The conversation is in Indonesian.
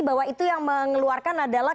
bahwa itu yang mengeluarkan adalah